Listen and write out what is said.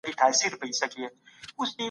د خلګو حقونه باید محدود نه سي.